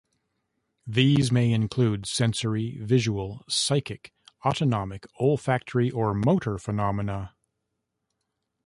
These may include: sensory, visual, psychic, autonomic, olfactory or motor phenomena.